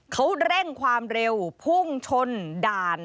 เขาเร่งความเร็วพุ่งชนด่าน